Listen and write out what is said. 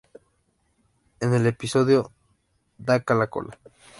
En el episodio "¡Daca la cola!